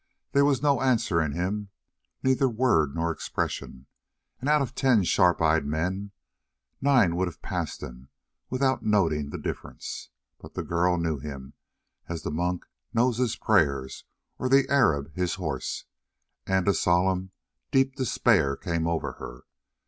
There was no answer in him, neither word nor expression, and out of ten sharp eyed men, nine would have passed him by without noting the difference; but the girl knew him as the monk knows his prayers or the Arab his horse, and a solemn, deep despair came over her.